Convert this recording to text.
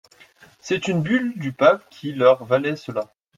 C’est une bulle du pape qui leur valait cela.